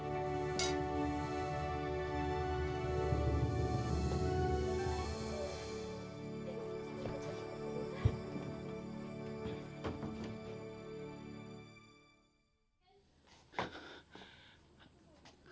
kakak nggak bisa bawa kamu ke rumah sakit